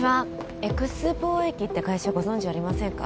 エクス貿易って会社ご存じありませんか？